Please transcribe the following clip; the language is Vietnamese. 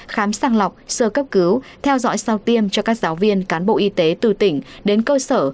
khám sàng lọc sơ cấp cứu theo dõi sau tiêm cho các giáo viên cán bộ y tế từ tỉnh đến cơ sở